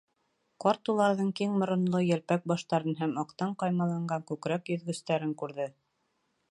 Ҡарт уларҙың киң моронло йәлпәк баштарын һәм аҡтан ҡаймаланған күкрәк йөҙгөстәрен күрҙе.